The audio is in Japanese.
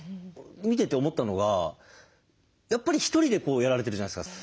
見てて思ったのがやっぱりひとりでやられてるじゃないですか。